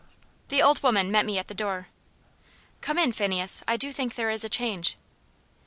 The old woman met me at the door. "Come in gently, Phineas; I do think there is a change."